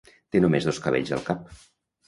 Té només dos cabells al cap.